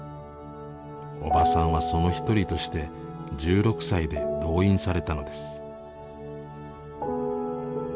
おばさんはその一人として１６歳で動員されたのです。